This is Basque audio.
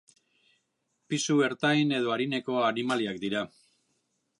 Pisu ertain edo arineko animaliak dira.